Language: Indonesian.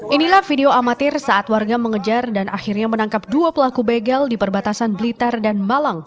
inilah video amatir saat warga mengejar dan akhirnya menangkap dua pelaku begal di perbatasan blitar dan malang